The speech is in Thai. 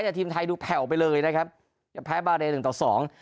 แต่ทีมไทยดูแผ่วไปเลยนะครับจะแพ้บาเรหนึ่งต่อสอง